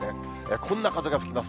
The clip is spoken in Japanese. こんな風が吹きます。